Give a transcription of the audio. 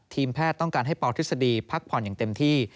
ทีมแพทย์ต้องการให้ปทฤษฎีพักผ่อนอย่างเต็มที่